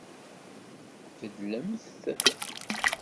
Tbeddlem-t?